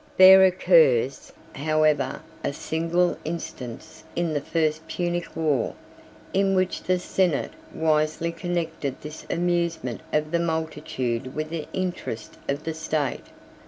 There occurs, however, a single instance in the first Punic war, in which the senate wisely connected this amusement of the multitude with the interest of the state.